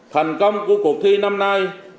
thành công của cuộc thi năm nay